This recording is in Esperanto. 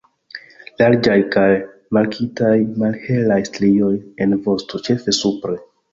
Larĝaj kaj markitaj malhelaj strioj en vosto, ĉefe supre.